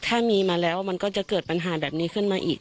ถ้ามีมาแล้วมันก็จะเกิดปัญหาแบบนี้ขึ้นมาอีก